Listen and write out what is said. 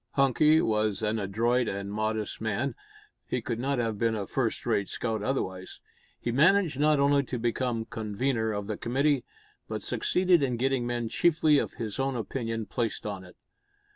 Hunky was an adroit and modest man he could not have been a first rate scout otherwise! He managed not only to become convener of the committee, but succeeded in getting men chiefly of his own opinion placed on it.